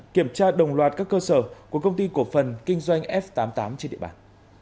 kiểm tra đồng loạt các cơ sở của công ty cổ phần kinh doanh f tám mươi tám trên địa bàn